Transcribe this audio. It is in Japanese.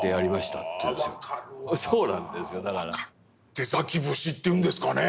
出節っていうんですかね。